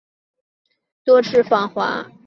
他们中的一些人曾多次访华。